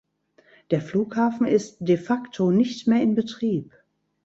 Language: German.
Der Flughafen ist de facto nicht mehr in Betrieb.